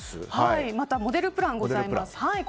また、モデルプランがございます。